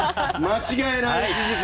間違いない！